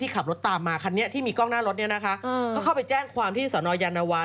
ขับรถตามมาคันนี้ที่มีกล้องหน้ารถเนี่ยนะคะเขาเข้าไปแจ้งความที่สนยานวา